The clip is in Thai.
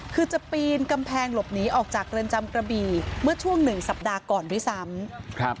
คือจะปีนกำแพงหลบหนีออกจากเรือนจำกระบี่เมื่อช่วงหนึ่งสัปดาห์ก่อนด้วยซ้ำ